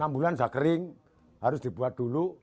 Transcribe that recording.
enam bulan sudah kering harus dibuat dulu